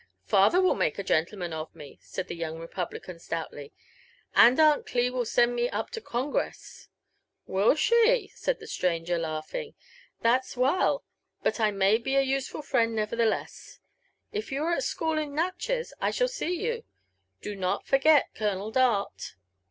" Father will make a genlleman of me," said the young republican stoutly; *• and Aunt Cli will send me up to Congress." " Will she ?" said the stranger, laughing :*• that's well ; but I may be a useful friend, nevertheless. If you are at school at Natchez, I shall see you. Do not forget Colonel Dart."